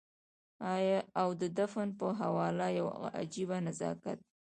او د فن په حواله يو عجيبه نزاکت